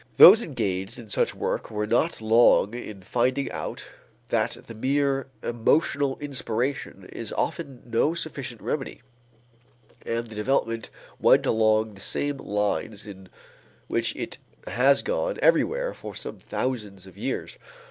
Those engaged in such work were not long in finding out that the mere emotional inspiration is often no sufficient remedy, and the development went along the same lines in which it has gone everywhere for some thousands of years.